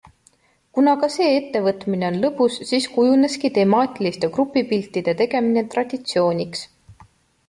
Kuna ka see ettevõtmine on lõbus, siis kujuneski temaatiliste grupipiltide tegemine traditsiooniks.